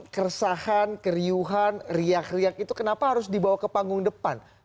keresahan keriuhan riak riak itu kenapa harus dibawa ke panggung depan